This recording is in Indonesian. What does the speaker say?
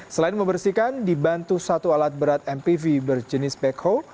selain membersihkan dibantu satu alat berat amfibi berjenis pekho